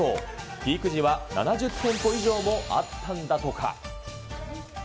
ピーク時は７０店舗以上もあったんだとか。